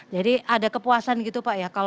ada kepuasan gitu pak ya